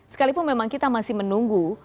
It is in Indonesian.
sekalipun memang kita masih menunggu